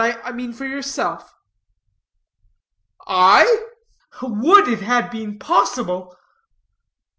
I mean for yourself!" "I? would it had been possible!"